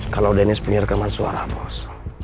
kalau dennis punya rekaman suara bos